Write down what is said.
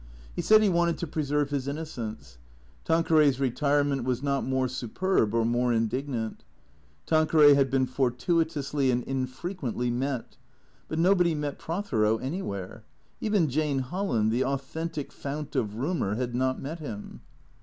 Pie said he wanted to preserve his innocence. Tanqueray's retirement was not more superb or more indignant; Tanqueray had been fortuitously and infrequently " met "; but nobody met Prothero anywhere. Even Jane Holland, the authentic fount of rumour, had not met him.